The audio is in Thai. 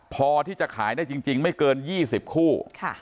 พอที่จะขายได้จริงจริงไม่เกินยี่สิบคู่ค่ะ